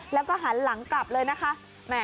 แล้วก็หันหลังกลับเลยนะคะ